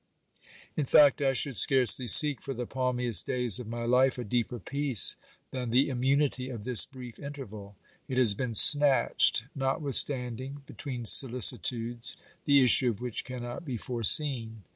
In fact, I should scarcely seek for the palmiest days of my life a deeper peace than the immunity of this brief interval. It has been snatched, notwithstanding, between solicitudes, the issue of which cannot be foreseen.